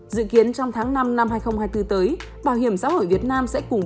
dự kiến trong tháng năm năm hai nghìn hai mươi bốn tới bảo hiểm xã hội việt nam sẽ cùng